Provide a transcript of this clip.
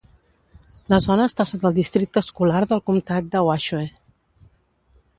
La zona està sota el districte escolar del Comtat de Washoe.